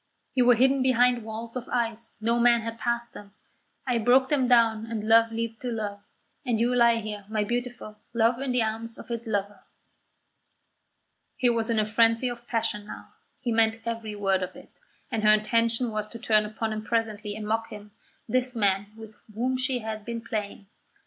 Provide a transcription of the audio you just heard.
You were hidden behind walls of ice; no man had passed them; I broke them down and love leaped to love, and you lie here, my beautiful, love in the arms of its lover." He was in a frenzy of passion now; he meant every word of it; and her intention was to turn upon him presently and mock him, this man with whom she had been playing.